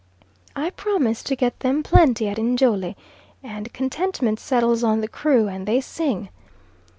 I promise to get them plenty at Njole, and contentment settles on the crew, and they sing.